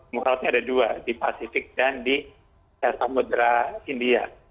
muka lautnya ada dua di pasifik dan di daerah mudera india